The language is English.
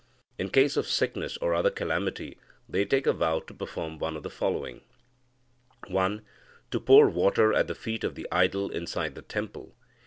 In case of sickness or other calamity, they take a vow to perform one of the following: (1) To pour water at the feet of the idol inside the temple.